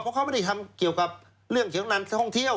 เพราะเขาไม่ได้ทำเกี่ยวกับเรื่องเฉียงนานท่องเที่ยว